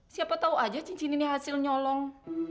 siapa tahu aja cincin ini hasil nyolong